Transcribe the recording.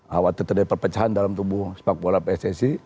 khawatir terdiri perpecahan dalam tubuh sepak bola pssc